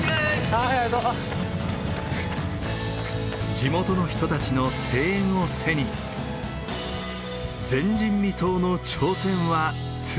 地元の人たちの声援を背に前人未到の挑戦は続く。